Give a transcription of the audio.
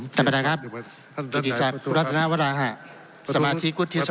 ท่านประธานครับกิติศักดิ์รัฐนาวราหะสมาชิกวุฒิสภา